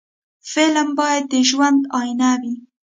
فلم باید د ژوند آیینه وي